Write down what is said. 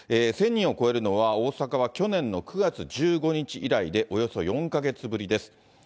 １０００人を超えるのは、大阪は去年の９月１５日以来で、およそ４か月ぶりです。